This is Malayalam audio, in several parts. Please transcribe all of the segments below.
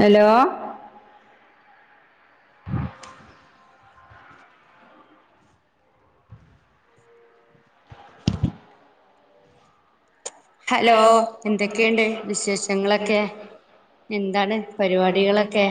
ഹലോ ഹലോ എന്തെ കെ വിശേഷങ്ങളൊക്കെ എന്താണ് പരുപാടികളൊക്കെ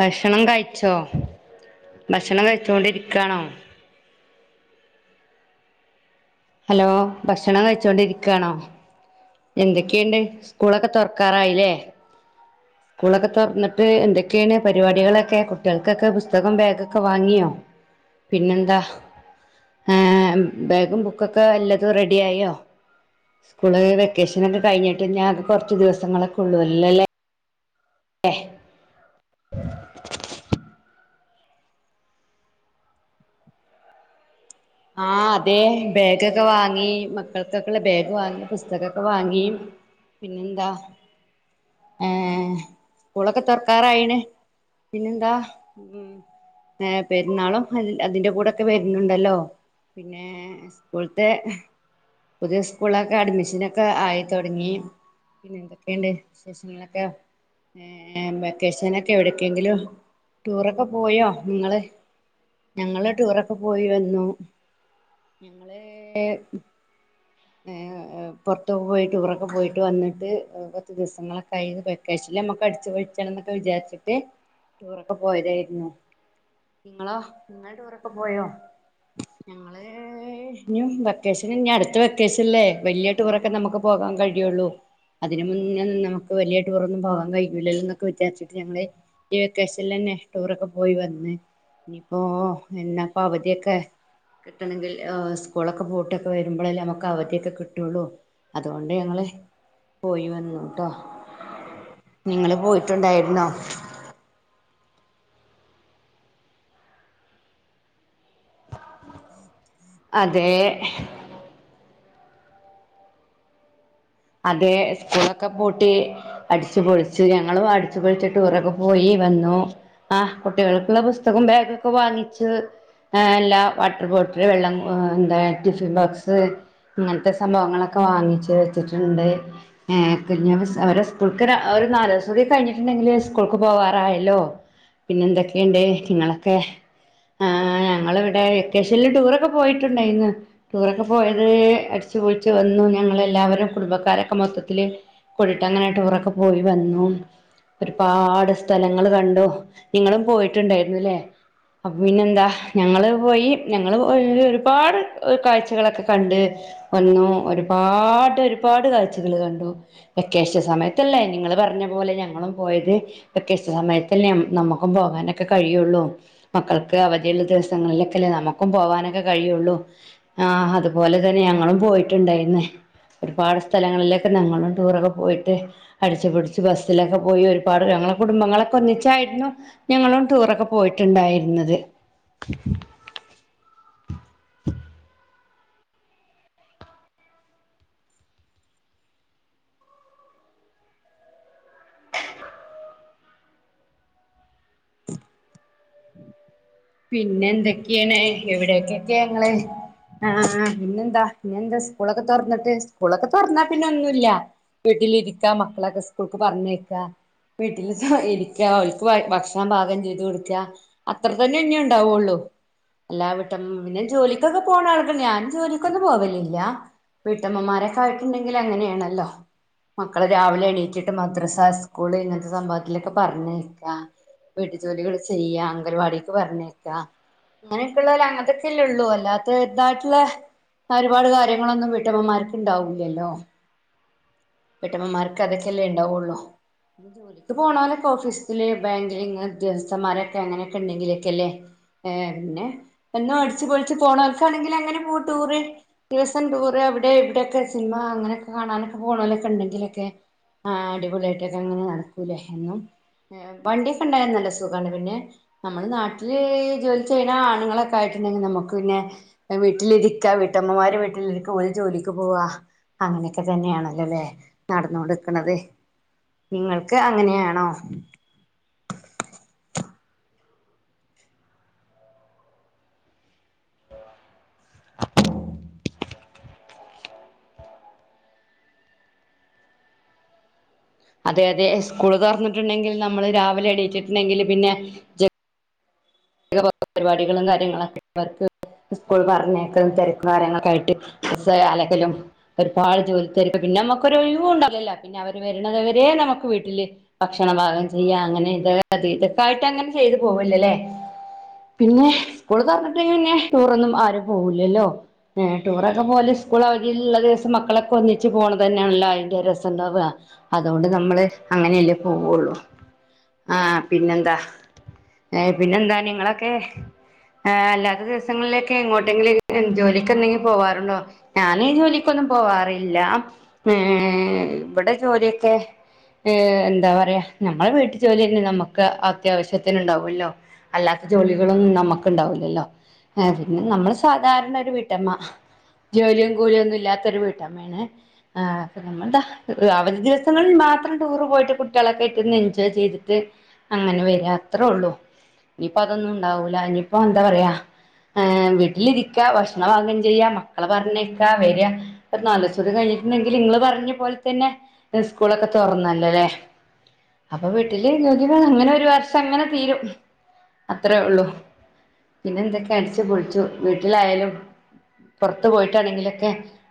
ഭക്ഷണം കഴിച്ചോ ഭക്ഷണം കഴിച്ചോണ്ട് ഇരിക്കാണോ ഹലോ ഭക്ഷണം കഴിച്ചോണ്ട് ഇരിക്കാണോ എന്തൊക്കെ ഉണ്ട് സ്കൂൾ ഒക്കെ തുറക്കാറായി ഇല്ലേ സ്കൂളൊക്കെ തുറന്നിട്ട്‌ എന്തൊക്കെ ആണ് പരിപാടികളൊക്കെ കുട്ടികൾക്കൊക്കെ പുസ്തകോം ബാഗൊക്കെ വാങ്ങിയോ പിന്നെന്താ എ ബാഗും ബുക്കൊക്കെ എല്ലതും റെഡി ആയോ സ്കൂള് വെക്കേഷൻ ഒക്കെ കഴിഞ്ഞിട്ടും ഞാൻ കുറച്ച് ദിവസങ്ങളൊക്കെ ഉള്ളു ഏ ആ ഹേ ബാഗ്ഒക്കെ വാങ്ങി മക്കൾക്കൊക്കെഉള്ള ബാഗ് വാങ്ങി പുസ്തകഒക്കെ വാങ്ങി പിന്നെന്താ ഏ സ്കൂലോക്കേതുറക്കാറായിന് പിന്നെന്താ മം പെരുന്നാളൊക്കെ അതിന്റെകൂടൊക്കെ വരുന്നുണ്ടല്ലോ പിന്നെ സ്കൂളിൽത്തെ പുതിയ സ്കൂളൊക്കെ അഡ്മിഷനൊക്കെ അയിതുടങ്ങി എന്തൊക്കെയുണ്ട് വിശേഷങ്ങള് എ വെക്കാഷന് ഒക്കെ എവിടേക്കെങ്കിലും ടൂർ ഒക്കെ പോയോ നിങ്ങള് ഞങ്ങള് ടൂർ ഒക്കെ പോയി വന്നു ഞങ്ങള് ഏഹ പുറത്ത് പോയി ടൂർ ഒക്കെപോയിട്ട് വന്നിട്ട് കൊറച്ചു ദിവസങ്ങളൊക്കെകഴിഞ്ഞ് വെക്കേഷനില്നമ്മക്ക് ഒക്കെയടിച്പൊളിച്ഛനൊക്കെ വിചാരിചിട്ട് ടൂർഒക്കെ പോയതാരുന്നു ഇങ്ങളോ ഇങ്ങള് ടൂർ ഒക്കെ പോയോ ഞങ്ങള് ഇനിയും വെക്കേഷൻ ഇനിയാടുത്തത് വെക്കാഷനിലെ വലിയ ടൂർഒക്കെനമ്മക്ക് പോകാൻകഴിയുള്ളു അതിനുമുന്നേഒന്നും നമുക്ക് വലിയ ടൂർ ഒന്നും പോകണ്കയുലലോനൊക്കെ വിചാരിച്ചിട്ട് ഞങ്ങൾ ഈ വെക്കാഷനിൽഅന്നെ ടൂർ ഒക്കെ പോയിവന്ന ഇനി ഇപോം അവധി ഒക്കെ കിട്ടണഇങ്കിൽ സ്കൂളൊക്കെപൂട്ടിലൊക്കേവരുബോഴല്ലേ നമ്മക്ക് അവധിയൊക്കേകിട്ടുള്ളൂ അതുകൊണ്ടുഞങ്ങള് പോയിവന്നൂട്ടോ നിങ്ങള്പോയിട്ടുണ്ടായിരുന്നോ അതെ അതെ സ്കൂളൊക്കെപൂട്ടി അടിച്ചുപൊളിച് ഞങ്ങളും അടിച്ചപൊളിച് ടൂർഒക്കെ പോയിവന്നു അ കുട്ടികൾക്കുള്ള പുസ്തകം ബാഗ് ഒക്കെ വാങ്ങിച് എല്ലാം വാട്ടർബോട്ടിൽ വെള്ളം എന്തെ ടിഫിൻ ബോക്സ്‌ അങ്ങനത്തെ സംഭവങ്ങൾ ഒക്കെ വാങ്ങിച്ച് കൊച്ചുണ്ട് എഹ് കുഞ്ഞാവ അവരെടെ സ്കൂൾക്ക് അവരെ നല്ദിവസകൂടി കഴിഞ്ഞിട്ടൊണ്ടങ്കിൽ സ്കൂൾക്കുപോവാറായല്ലോ പിന്നെന്തെക്കെണ്ട് നിങ്ങളൊക്കെ ആ ഞങ്ങളിവിടെ വെക്കാഷനിൽ ടൂർ ഒക്കെ പോയിട്ടുണ്ടയിന്ന് ടൂർഒക്കെ പോയത് അടിച്ചുപൊളിച് വന്നു ഞങ്ങളെല്ലാവരും കുടുംബക്കാരൊക്കെ മൊത്തത്തില് കൂടീട്ട അങ്ങനെ ടൂർ ഒക്കെ പോയിവന്നു ഒരുപാട്‌സ്ഥലങ്ങള് ക്കണ്ടു. നിങ്ങൾപോയിട്ടുണ്ടാരുന്നല്ലേ അപ്പോപ്പിന്നെ എന്താ ഞങ്ങള് പോയി ഒരുപാട് കാഴ്ചകൾഒക്കെ കണ്ട് വന്നു ഒരുപാട് ഒരുപാട് കാഴ്ച്ചകൾ കണ്ടു വെക്കാഷൻസമയതല്ലേ നിങ്ങൾപറഞ്ഞപോലെ ഞങ്ങളും പോയത് വെക്കേഷൻ സമയത്തന്നെ നമ്മക്കും പോവാനൊക്കെക്കഴിയുള്ളൂ മക്കൾക്ക് അവധിയുള്ളദിവസങ്ങളൊക്കെലെ നമുക്കും പോവാനൊക്കെക്കഴിയുള്ളൂ ആ അതുപോലെതന്നെ ഞങ്ങളും പോയിട്ടുണ്ടാരുന്ന് ഒരുപാട്‌സ്ഥലങ്ങളിലൊക്കെ ഞങ്ങള് ടൂർഒക്കെ പോയിട്ട് അടിച്ചപൊളിച് ബസിലൊക്കെപോയി ഒരുപാട് ഞങ്ങടെകുടുംബങ്ങളൊക്കെഒന്നിച്ച യായിരുന്നു ഞങ്ങൾ ടൂർ ഒക്കെ പോയിട്ടുണ്ടായിരുന്നത് [inaudible] പിന്നെഎന്തൊക്കെയാണ് എവിടൊക്കെയൊക്കെയാണ് ഇങ്ങള് ആ പിന്നെന്താ സ്കൂളൊക്കെ തുറന്നിട്ട് സ്കൂളൊക്കെത്തോരന്നാപ്പിന്നെയൊന്നുല്ല വീട്ടിലിക്ക മക്കളോക്കെ സ്കൂളിക്കുപറഞ്യ്ക്ക വീട്ടിലിരിക്ക അവർക്ക് ഭക്ഷണം പാകംചെയ്ത്കൊടുക്ക അത്ര അത്തന്നെനിഉണ്ടാവുള്ളു എല്ലാവീട്ടമ്മ ജോലിക്കൊക്കെപോന്ന ആൾക്ക് ഞൻ ജോലിക്ക് പോവാലില്ല വീട്ടമ്മമാരൊക്കെയായിട്ടൊണ്ടങ്കിൽ അങ്ങനെ ആണല്ലോ മക്കള് രാവിലെ എന്നേറ്റിട്ട് മദ്രസ സ്കൂൾ ഇങ്ങനത്തെ സംഭവത്തിലഒക്കെ പറഞ്ഞയക്ക വീട്ടുജോലികൾ ചെയ്യ അംഗൻവാടി പറഞ്ഞയ്ക്ക അങ്ങനെയൊക്കെയുള്ള അതൊക്കെയേല്ലെയുള്ളു അല്ലാതെ ഇതായിട്ടുള്ള ഒരുപാട്കാര്യങ്ങളൊന്നും വീട്ടമ്മമാർക്ക് ഇണ്ടാവൂല്ലലോ വീട്ടൻമാർക് അതൊക്കെ ഉണ്ടാവുള്ളു [unintelligible] പോവുന്നവർ ഓഫീസിൽ ബാങ്കിൽ ഉദോഗയസ്ഥൻ മാര് [unintelligible] പിന്നെ എന്നും അടച്ചു പൊളിച്ചു പോകുന്നവര്കാണങ്കിൽ അങ്ങനെ പോവാം ടൂർ ദിവസം ടൂർ അവിടെ ഇവിടൊക്കെ സിനിമ അങ്ങനൊക്കെ കാണാൻ പോവാ എന്തെങ്കിലുകെ ആ അടിപൊളി ആയിട്ട് നടകുലേ വണ്ടിയൊക്കെ ഉണ്ടായാൽ നല്ല സുഗാണ് പിന്നനമ്മൾ നാട്ടിൽ ലി ചെയ്യണ ആണ് ങ്ങൾ ആയിട്ടുണ്ടങ്കിൽ നമുക്ക് പിന്നെ വീട്ടിലിരിക്ക വീട്ടമാർ വീട്ടിൽ ഇരിക്ക ഓല് ജോലിക് പോവാ അങ്ങനൊക്കെ തന്നെ ആണല്ലോ ല്ലെ നടന്നുകൊണ്ടിരിക്കുന്നത് നിങ്ങൾക്ക് അങ്ങനെയാണോ അതെയതെ സ്കൂളുകൾ തുറന്നിട്ടുണ്ടെങ്കിൽ നമ്മൾ രാവിലെ എണീണ്ടങ്കിൽ പിന്നെ ജെ പരിപാടികളും കാര്യങ്ങളൊക്കെ അവർക്ക് സ്കൂൾ പറഞ്ഞേക്കെ തിരക്കും കാര്യങ്ങളൊക്കെ ആയിട്ട്സ അലെകലും ഒരുപാട് ജോലി തിരക്ക് പിന്നെ നമുക്കൊരു ഒഴ ഉണ്ടാവല്ല പിന്നെ അവർ വരണവരെ നമുക്ക് വീട്ടില് ഭക്ഷണ പാകം ചെയ്യ അങ്ങനെ ഇത ഇതൊക്കെ ആയിട്ട് അങ്ങനെ ചെയ്ത് പോവില്ലല്ലേ പിന്നെ സ്കൂൾ പറഞ്ഞിട്ടെിൽ പിന്നെ ടൂറൊന്നും ആരും പോകില്ലല്ലോ ഏ ടൂറൊക്കെ പോലെ സ്കൂൾ അവധിയിലുള്ള ദിവസം മക്കളൊക്കെ ഒന്നിച്ച് പോണതന്നെയാണല്ലോ അതിറെ രസംണ്ടാവുക അതുകൊണ്ട് നമ്മള് അങ്ങനെയല്ലേ പോവുള്ളു ആ പിന്നെന്താ പിന്നെന്താ ഏ നിങ്ങളൊക്കെ അല്ലാത്ത ദിവസങ്ങളിലൊക്കെ ഇങ്ങോട്ടെങ്കിലും ജോലിക്ക എന്തെങ്കി പോവാറുണ്ടോ ഞാന് ജോലിക്കൊന്നും പോവാറില്ല ഏ ഇവിടെ ജോലിയൊക്കെ ഏ എന്താ പറയാ നമ്മുടെ വീട്ടിൽ ജോലി തന്നെ നമുക്ക് അത്യാവശ്യത്തിന് ഉണ്ടാവുമല്ലോ അല്ലാത്ത ജോലികളൊന്നും നമ്മക്കുണ്ടാവില്ലല്ലോ, ഏഹ് പിന്നെ നമ്മള് സാധാരണ ഒരു വീട്ടമ്മ, ജോലിയും കൂലിയൊന്നും ഇല്ലാത്ത ഒരു വീട്ടമ്മയാണ്, ഏഹ് അപ്പൊ നമ്മൾ എന്താ ഏഹ് അവധി ദിവസങ്ങളിൽ മാത്രം ടൂറ് പോയിട്ട് കുട്ടിയൊളൊക്കായിട്ട് ഒന്ന് എൻജോയ് ചെയ്തിട്ട് അങ്ങനെ വരാ അത്രൊള്ളൂ. ഇനി ഇപ്പൊ അതൊന്നും ഉണ്ടാവൂല ഇനിപ്പോ എന്താ പറയാ ഏ വീട്ടിലിരിക്കാ ഭക്ഷണം പാകം ചെയ്യാ, മക്കള് പറഞ്ഞേക്കാ വരാ, ഒരു നാല് ദിവസത്തെ കഴിഞ്ഞിട്ടുണ്ടെങ്കില് ഇങ്ങള് പറഞ്ഞ പോലെ തന്നെ ഏഹ് സ്കൂളൊക്കെ തുറന്നല്ലോല്ലേ അപ്പൊ വീട്ടില് [unintelligible] അങ്ങനെ ഒരു വർഷം അങ്ങനെ തീരും. അത്രയേ ഉള്ളു പിന്നെ എന്തൊക്കെ അടിച്ചു പൊളിച്ചു വീട്ടിലായാലും പൊറത്ത് പോയിട്ടാണെങ്കിലൊക്കെ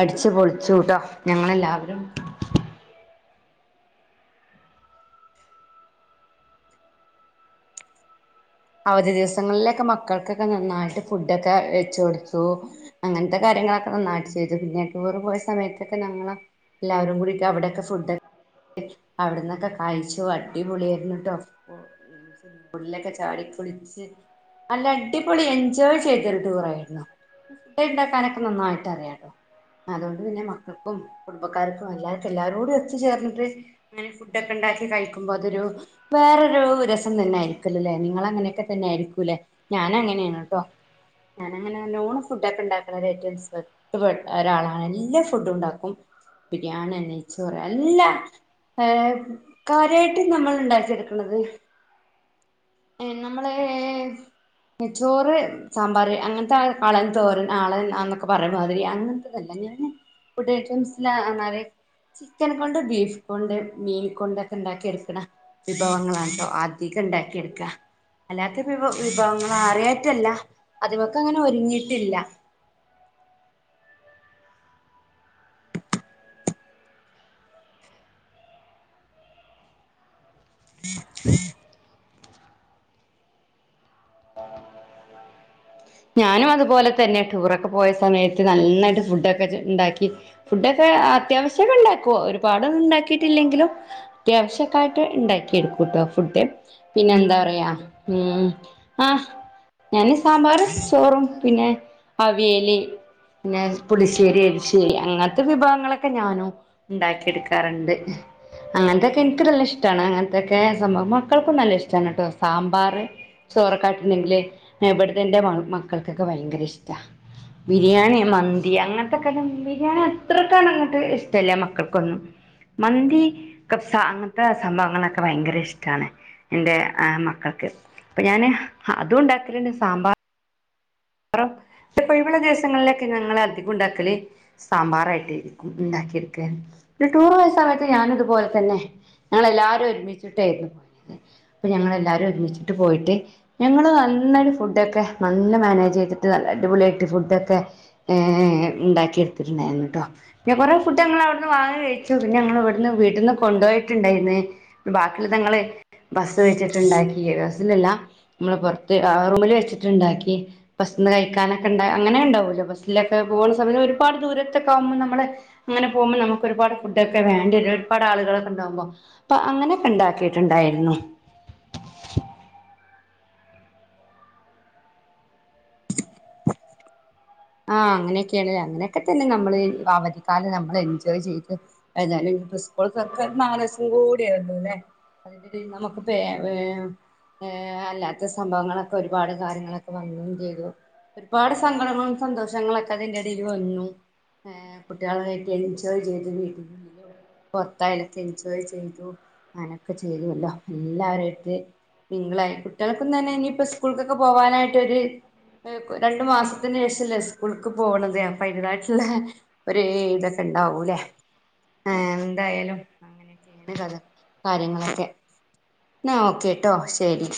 അടിച്ചു പൊളിച്ചു ട്ടോ ഞങ്ങളെല്ലാവരും അവധി ദിവസങ്ങളിലൊക്കെ മക്കൾക്കൊക്കെ നന്നായിട്ട് ഫുഡൊക്കെ വെച്ചു കൊടുത്തു, അങ്ങൻത്തെ കാര്യങ്ങളൊക്കെ നന്നായിട്ട് ചെയ്തു, പിന്നെ ടൂറ് പോയ സമയത്തൊക്കെ ഞങ്ങള് എല്ലാവരും കൂടീട്ട് അവിടെക്കെ ഫുഡ് അവിടന്നൊക്കെ കഴിച്ചു, അടി പൊളിയായിരുന്നു ട്ടോ സ്വിമ്മിംഗ് പൂളിലൊക്കെ ചാടി കുളിച്ച് നല്ല അടിപൊളി എൻജോയ് ചെയ്തൊരു ടൂർ ആയിരുന്നു, ഫുഡ് ഇണ്ടാക്കാനൊക്കെ നന്നായിട്ട് അറിയാ ട്ടോ, അതോണ്ട് പിന്നെ മക്കക്കും കുടുംബക്കാർക്കും എല്ലാർക്കും എല്ലാരൂടി ഒത്തു ചേർന്നിട്ട് അങ്ങനെ ഫുഡൊക്കെ ഇണ്ടാക്കി കഴിക്കുമ്പോ അതൊരു വേറൊരു രസം തന്നെ ആയിരിക്കില്ലോലേ. നിങ്ങള അങ്ങനെയൊക്കെ തന്നെ ആയിരിക്കൂല്ലേ ഞാൻ അങ്ങനെയാണ് ട്ടോ, ഞാൻ അങ്ങനെ നോണ് ഫുഡ ഒക്കെ ഇണ്ടാക്കണ ഏറ്റവും സെറ്റ് ഒരാളാണ്, എല്ലാ ഫുഡും ഉണ്ടാക്കും ബിരിയാണി നെയ്ച്ചോറ് എല്ലാ ഏ കാര്യായിട്ട് നമ്മള് ഇണ്ടാക്കിയെടുക്കണത് നമ്മള് ചോറ് സാമ്പാറ് അങ്ങൻത്തെ കാളൻ തോരൻ ആളൻ ആന്നൊക്കെ പറയ മാതിരി അങ്ങൻത്തെതല്ല ഞാന് ഫുഡ് ഐറ്റംസില് നറയെ ചിക്കൻ കൊണ്ട് ബീഫ് കൊണ്ട് മീൻ കൊണ്ടൊക്കെ ഇണ്ടാക്കി എടുക്കണ വിഭവങ്ങളാണ് ട്ടോ അധികം ഇണ്ടാക്കി എടുക്കാ. അല്ലാത്ത വിഭ വിഭവങ്ങള് ആറിയായിട്ടല്ല അതിമക്ക് അങ്ങനെ ഒരുങ്ങിട്ടില്ല ഉം [inaudible] ഞാനും അതുപോലെ തന്നെ ടൂറൊക്കെ പോയ സമയത്ത് നന്നായിട്ട് ഫുഡൊക്കെ ഇണ്ടാക്കി ഫുഡൊക്കെ ഏഹ് അത്യാവിശ്യ ഒക്കെ ഉണ്ടാക്കു ഒരുപാടൊന്നും ഉണ്ടാക്കിട്ടില്ലെങ്കിലും അത്യാവിശ്യക്കായിട്ട് ഇണ്ടാക്കി എടുക്കൂട്ടോ ഫുഡ്, പിന്നെ എന്താ പറയാ ഉം ആ ഞാന് സാമ്പാറ് ചോറും പിന്നെ അവിയെല് പിന്നെ പുളിശ്ശേരി എലശ്ശേരി അങ്ങൻത്തെ വിഭവങ്ങളൊക്കെ ഞാനും ഇണ്ടാക്കിയ എടുക്കാറിണ്ട്, അങ്ങൻത്തക്കെ എനിക്ക് നല്ല ഇഷ്ടാണ് അങ്ങൻത്തൊക്കെ സംഭവ മക്കൾക്കും നല്ല ഇഷ്ട്ടാണ് ട്ടൊ സാമ്പാറ് ചോറൊക്കെ ആയിട്ടുണ്ടെങ്കില് ഏഹ് ഇവിടുത്തെ എന്റെ മാ മക്കൾക്കൊക്കെ ഭയങ്കര ഇഷ്ടാ, ബിരിയാണി, മന്തി അങ്ങൻത്തക്കെ ബിരിയാണി അത്രക്കാങ്ങട്ട് ഇഷ്ടല്യ മക്കൾക്കൊന്നും, മന്തി കബ്സാ അങ്ങൻത്തെ സംഭവങ്ങളൊക്കെ ഭയങ്കര ഇഷ്ടാണ് എൻറെ ആ മക്കൾക്ക്, അപ്പൊ ഞാന് അതും ഇണ്ടാക്കലിണ്ട് സാമ്പാ റും [unintelligible] ഒഴിവുള്ള ദിവസങ്ങളിലൊക്കെ ഞങ്ങള് അധികം ഉണ്ടാക്കല് സാമ്പാറായിട്ട് ഇരിക്കും ഉണ്ടാക്കി എടുക്കാ, ടൂറ് പോയ സമയത്ത് ഞാനും ഇതുപോലെ തന്നെ ഞങ്ങള് എല്ലാരും ഒരുമിച്ചിട്ടായിരുന്നു, അപ്പൊ ഞങ്ങള് എല്ലാരും ഒരുമിച്ചിട്ട് പോയിട്ട് ഞങ്ങള് നന്നായിട്ട് ഫുഡൊക്കെ നല്ല മാനേജ് ജ് ചെയ്തിട്ട് നല്ല അടിപൊളി ആയിട്ട് ഫുഡൊക്കെ ഏഹ് ഇണ്ടാക്കി എടുത്തിട്ടുണ്ടായിരുന്നു ട്ടോ, പിന്നെ കുറെേ ഫുഡ് ഞങ്ങള് അവിടുന്ന് വാങ്ങി കഴിച്ചു, പിന്നെ ഞങ്ങള് ഇവിടുന്ന് വീട്ടിന്ന് കൊണ്ടുപോയിട്ടുണ്ടായിരുന്ന്, ബാക്കിയുള്ളത് ഞങ്ങള് ബസ് വെച്ചിട്ടിണ്ടാക്കി [unintelligible] ഇതിലല്ല നമ്മള് പൊറത്ത് ആ റൂമില് വെച്ചിട്ടുണ്ടാക്കി ബസിന്ന് കഴിക്കാനൊക്കെ ഇണ്ട അങ്ങനെണ്ടാവൂല്ലോ ബസ്സിലൊക്കെ പോവണ സമയങ്ങള് ഒരുപാട് ദൂരത്തൊക്കെ ആവുമ്പോ നമ്മള് അങ്ങനെ പോവുമ്പോ നമുക്ക് ഒരുപാട് ഫുഡ് ഒക്കെ വേണ്ടിവരും ഒരുപാട് ആളുകളൊക്കെ ഇണ്ടാവുമ്പോ അപ്പൊ അങ്ങനെ ഒക്കെ ഇണ്ടാക്കിയിട്ടിണ്ടായിരുന്നു. ആ അങ്ങനെയൊക്കെയാണല്ലേ അങ്ങനെ ത്തന്നെ നമ്മള് വാവതി കാലം നമ്മള് എൻജോയ് ചെയ്ത് അതഴിഞ്ഞാല് ഇനി ഇപ്പൊ സ്കൂള് തൊറക്കാൻ ഒരു നാലിസം കൂടി [unintelligible] [unintelligible] ല്ലേ അതിന്റെടേല് നമക്ക് പേ വേ ഏ അല്ലാത്ത സംഭവങ്ങളൊക്കെ ഒരുപാട് കാര്യങ്ങളൊക്കെ വന്നും ചെയ്തു ഒരുപാട് സങ്കടങ്ങളും സന്തോഷങ്ങളൊക്കെ അതിന്റെ ഇടേല് വന്നു ഏ കുട്ട്യാളൊക്കെ ആയിട്ട് എൻജോയ് ചെയ്തു, വീടിനുള്ളിലും പൊർത്തായാലൊക്കെ എൻജോയ് ചെയ്തു, അങ്ങനൊക്കെ ചെയ്തുവല്ലോ എല്ലാർടേം അടുത്ത് മിങ്കിൽ ആയി കുട്ടികൾക്കുന്നും തന്നെ ഇനി ഇപ്പൊ സ്കൂൾകൊക്കെ പോവാനായിട്ട് ഒര് ഏഹ് രണ്ടു മാസത്തിന് ശേഷ ല്ലേ സ്കൂൾക്ക് പോണത് അപ്പയിന്റതായിട്ട്ള്ളെ ഒരീതൊക്കെ ഇണ്ടാവൂ ലെ ഏ എന്തായാലും അങ്ങനെയൊക്കെയാണ് കഥ, കാര്യങ്ങളൊക്കെ എന്നാ ഓകെ ട്ടോ ശെരി.